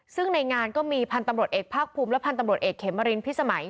ซึ่งในงานก็มีพันธุ์ตำรวจเอกภาคภูมิและพันธ์ตำรวจเอกเขมรินพิสมัย